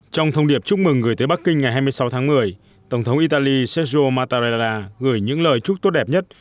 trong thông điệp chúc mừng gửi tới bắc kinh ngày hai mươi sáu tháng một mươi tổng thống italy sedio mattarella gửi những lời chúc tốt đẹp nhất